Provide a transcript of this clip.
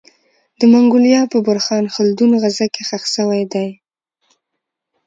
د منګولیا په بورخان خلدون غره کي خښ سوی دی